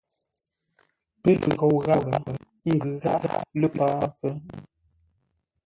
Pə́ lə ghou gháp, ə́ ngʉ̌ gháʼá lə́ páp?